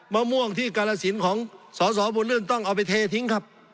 มะม่วงที่กาลสินของสอสอบุญเรื่องต้องเอาไปเททิ้งครับ